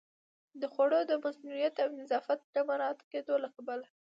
د خوړو د مصئونیت او نظافت نه مراعت کېدو له کبله